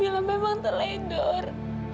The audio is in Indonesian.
mila memang telah edor